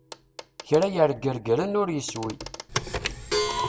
Kra yerregregren ur yeswi!